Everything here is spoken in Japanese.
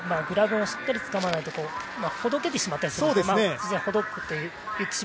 グラブをしっかりつかまないと、ほどけてしまったり。